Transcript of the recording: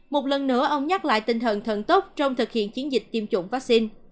một lần nữa ông nhắc lại tinh thần thần tốt trong thực hiện chiến dịch tiêm chủng vaccine